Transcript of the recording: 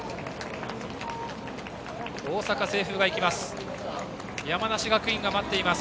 大阪・清風が行きます。